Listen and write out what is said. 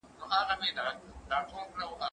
کېدای سي لرګي دروند وي